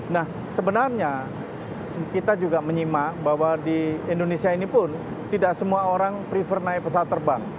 nah sebenarnya kita juga menyimak bahwa di indonesia ini pun tidak semua orang prefer naik pesawat terbang